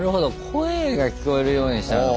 声が聞こえるようにしたのか。